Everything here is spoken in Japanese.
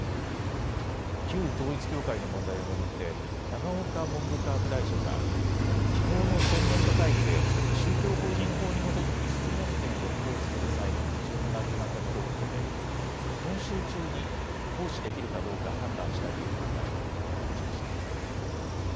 旧統一教会の問題を巡って永岡文部科学大臣はきのうの専門家会議で宗教法人法に基づく質問権を行使する際の基準が決まったことを受けて今週中に行使できるかどうか判断したいという考えを明らかにしました。